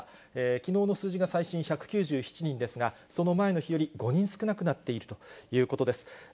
きのうの数字が最新１９７人ですが、その前の日より５人少なくなっているということです。